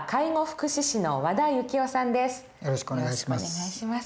よろしくお願いします。